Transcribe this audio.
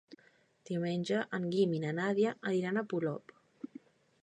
Diumenge en Guim i na Nàdia aniran a Polop.